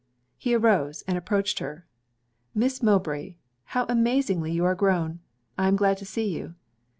He arose, and approached her. 'Miss Mowbray! how amazingly you are grown! I am glad to see you.'